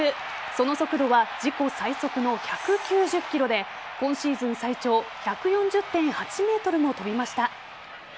その速度は自己最速の１９０キロで今シーズン最長１４０．８ｍも飛びました。